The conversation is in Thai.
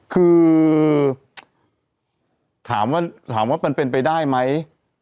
คือถามว่าเป็นไปได้ไหม